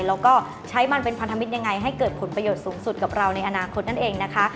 แล้วก็ใช้มันเป็นพันธมิตรยังไงให้เกิดผลประโยชน์สูงสุดกับเราในอนาคตนั่นเองนะคะ